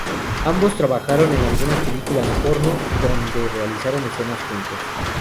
Ambos trabajaron en algunas películas porno, donde realizaron escenas juntos.